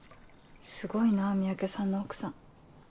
すごいな三宅さんの奥さん。